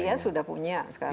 india sudah punya sekarang